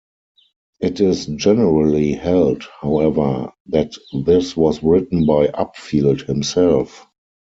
It is generally held, however, that this was written by Upfield himself.